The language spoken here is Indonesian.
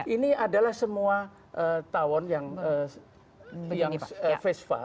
ini adalah semua tawon yang vespa